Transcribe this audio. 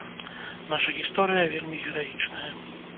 Наша гісторыя вельмі гераічная.